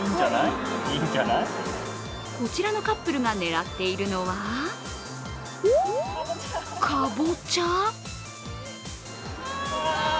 こちらのカップルが狙っているのは、かぼちゃ。